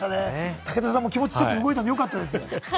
武田さんも気持ち動いたので良かったです。